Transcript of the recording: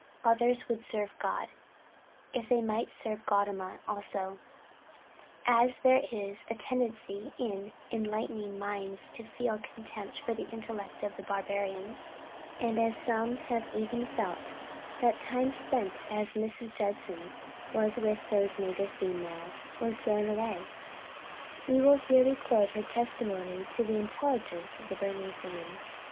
Others would serve God, if they might serve Gaudama also. As there is a tendency in enlightened minds to feel a contempt for the intellect of barbarians; and as some have even felt that time spent as Mrs. Judson's was with those native females, was thrown away, we will here record her testimony to the intelligence of the Burmese women.